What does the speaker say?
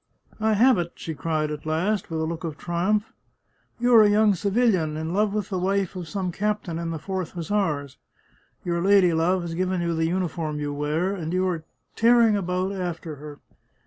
" I have it !" she cried at last, with a look of triumph. " You are a young civilian, in love with the wife of some captain in the Fourth Hussars! Your ladylove has given you the uniform you wear, and you are tearing about after her.